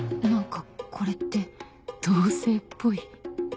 何かこれって同棲っぽい